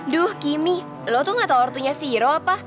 duh kimi lo tuh gak tau ortunya viro apa